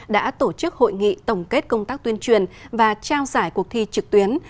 đã tổ chức hội nghị tổng kết công tác tuyên truyền và trao giải cuộc thi trực tuyến